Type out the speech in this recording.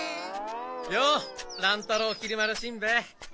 よう乱太郎きり丸しんべヱ。